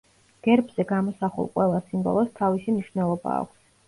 გერბზე გამოსახულ ყველა სიმბოლოს თავისი მნიშვნელობა აქვს.